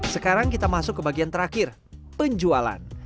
sekarang kita masuk ke bagian terakhir penjualan